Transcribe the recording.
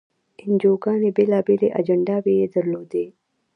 انجیوګانې بېلابېلې اجنډاوې یې درلودې.